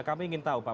kami ingin tahu pak